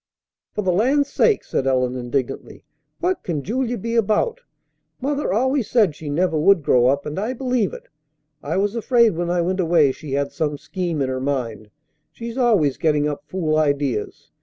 "For the land's sake!" said Ellen indignantly. "What can Julia be about? Mother always said she never would grow up, and I believe it. I was afraid when I went away she had some scheme in her mind. She's always getting up fool ideas.